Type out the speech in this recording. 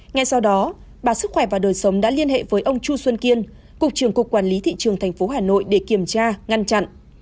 ngay sau đó bà sức khỏe và đời sống đã liên hệ với ông chu xuân kiên cục trưởng cục quản lý thị trường tp hà nội để kiểm tra ngăn chặn